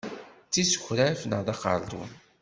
D tisukraf naɣ d aqerdun.